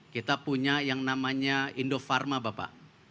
kita punya yang namanya indofarma bapak